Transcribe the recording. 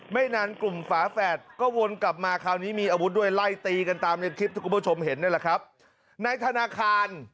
ไม่นานกลุ่มฝาแฝดก็วนกลับมาคราวนี้มีอาวุธด้วยไล่ตีกันตามในคลิปที่คุณผู้ชมเห็นนี่แหละครับในธนาคาร